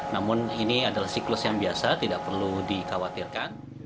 namun ini adalah siklus yang biasa tidak perlu dikhawatirkan